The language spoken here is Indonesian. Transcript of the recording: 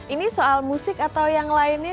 ini soal musik atau yang lainnya